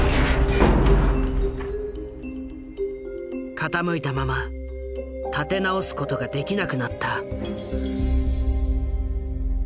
傾いたまま立て直すことができなくなった。